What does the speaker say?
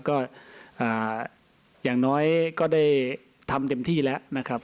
ก็อย่างน้อยก็ได้ทำเต็มที่แล้วนะครับ